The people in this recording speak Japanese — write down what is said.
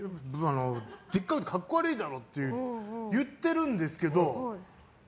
でっかくて格好悪いだろって言ってるんですよ。